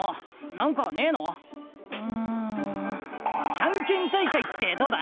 ジャンケン大会ってどうだ？